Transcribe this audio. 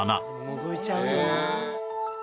のぞいちゃうよな。